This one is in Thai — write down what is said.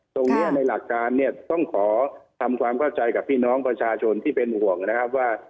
ตรงนี้ในหลักการเนี่ยต้องขอทำความเข้าใจกับพี่น้องประชาชนที่เป็นห่วงนะครับว่า